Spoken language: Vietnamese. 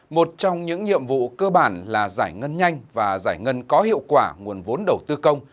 một trong những nhiệm vụ cơ bản là giải ngân nhanh và giải ngân có hiệu quả nguồn vốn đầu tư công